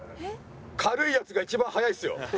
軽いヤツが一番速いっすよ。